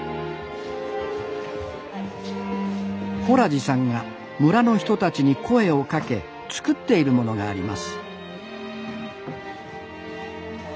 洞地さんが村の人たちに声をかけ作っているものがあります